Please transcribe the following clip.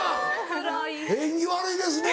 縁起悪いですね。